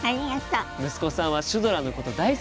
息子さんはシュドラのこと大好きなんだって！